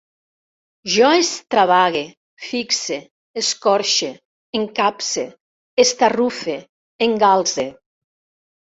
Jo extravague, fixe, escorxe, encapse, estarrufe, engalze